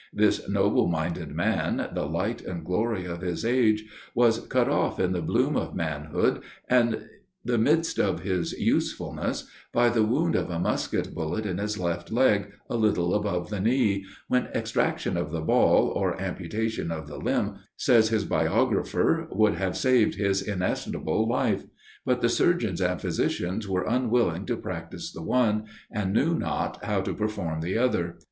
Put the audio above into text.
This noble minded man, the light and glory of his age, was cut off in the bloom of manhood, and the midst of his usefulness, by the wound of a musket bullet in his left leg, a little above the knee, "when extraction of the ball, or amputation of the limb," says his biographer, "would have saved his inestimable life: but the surgeons and physicians were unwilling to practice the one, and knew not how to perform the other.